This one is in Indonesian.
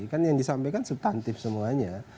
kan yang disampaikan subtantif semuanya